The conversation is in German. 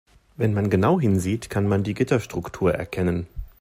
Wenn man genau hinsieht, kann man die Gitterstruktur erkennen.